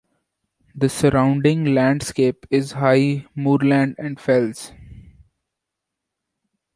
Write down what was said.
The surrounding landscape is high moorland and fells.